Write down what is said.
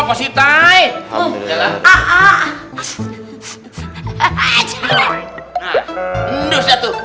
nah ndus satu